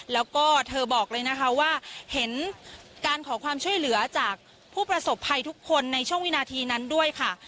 แล้วก็เธอบอกเลยนะคะว่าเห็นการขอความช่วยเหลือจากผู้ประสบภัยทุกคนในช่วงวินาทีนั้นด้วยค่ะ